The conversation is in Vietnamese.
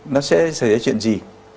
nó sẽ xảy ra chuyện gì